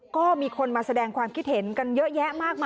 ก็มีคนมาแสดงความคิดเห็นกันเยอะแยะมากมาย